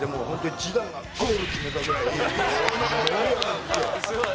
ジダンがゴール決めたぐらい。